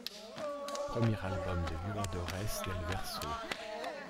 Premier album de Violadores del Verso.